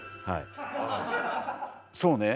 はい。